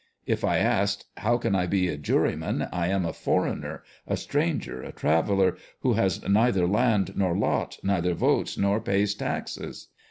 If I asked, " How can I be a juryman ? I am a foreigner, a stranger, a traveller, who has neither land nor lot, neither votes nor pays taxes